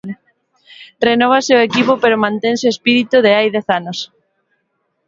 Renóvase o equipo pero mantense o espírito de hai dez anos.